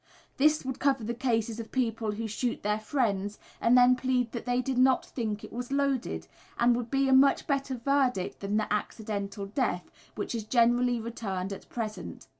This would cover the cases of people who shoot their friends and then plead that they "did not think it was loaded," and would be a much better verdict than the "accidental death" which is generally returned at present.